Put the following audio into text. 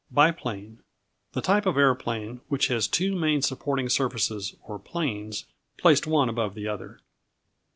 Biplane The type of aeroplane which has two main supporting surfaces or planes, placed one above the other.